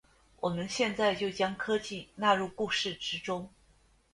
我们现在就将科技纳入故事之中。